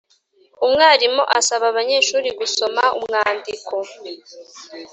Umwarimu asaba abanyeshuri gusoma umwandiko